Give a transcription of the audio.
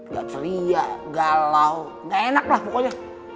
gak ceria galau gak enak lah pokoknya